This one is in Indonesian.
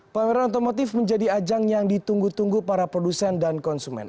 pameran otomotif menjadi ajang yang ditunggu tunggu para produsen dan konsumen